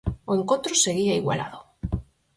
O encontro seguía igualado.